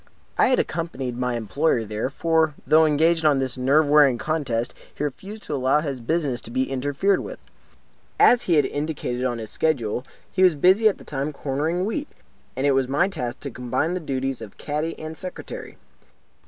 I had accompanied my employer there; for, though engaged on this nerve wearing contest, he refused to allow his business to be interfered with. As he had indicated in his schedule, he was busy at the time cornering wheat; and it was my task to combine the duties of caddy and secretary.